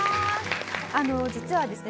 あの実はですね